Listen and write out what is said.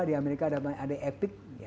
di amerika ada epic